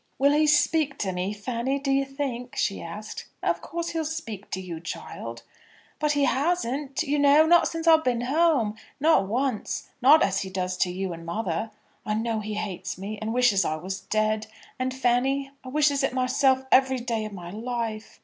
"Will he speak to me, Fanny, d'ye think?" she asked. "Of course he'll speak to you, child." "But he hasn't, you know, not since I've been home; not once; not as he does to you and mother. I know he hates me, and wishes I was dead. And, Fanny, I wishes it myself every day of my life."